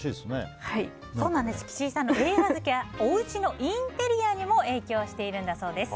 岸井さんの映画好きはおうちのインテリアにも影響しているんだそうです。